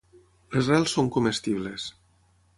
Les rels són comestibles.